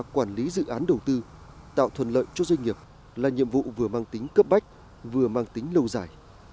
quản lý dự án đầu tư tạo thuận lợi cho doanh nghiệp là nhiệm vụ vừa mang tính cấp bách vừa mang tính lâu dài